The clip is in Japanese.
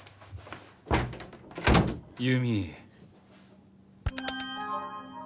優美？